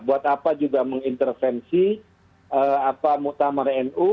buat apa juga mengintervensi muktamar nu